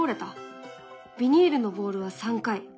ビニールのボールは３回。